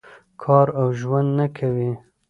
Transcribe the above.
کار او ژوند نه کوي.